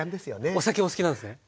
お酒お好きなんですね。